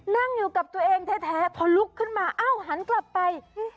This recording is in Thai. นั่งอยู่กับตัวเองแท้พอลุกขึ้นมาเอ้าหันกลับไป